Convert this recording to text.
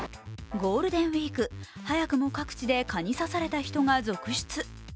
ゴールデンウイーク、早くも各地で蚊に刺された人が続出。